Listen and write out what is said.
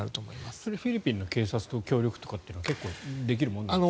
それはフィリピンの警察と協力というのはできるものですか。